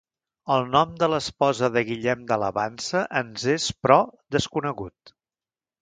El nom de l'esposa de Guillem de Lavansa ens és, però, desconegut.